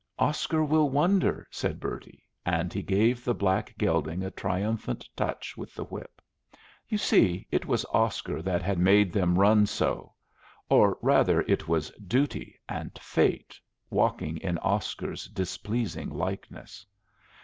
"Oscar will wonder," said Bertie; and he gave the black gelding a triumphant touch with the whip. You see, it was Oscar that had made them run go; or, rather, it was Duty and Fate walking in Oscar's displeasing likeness.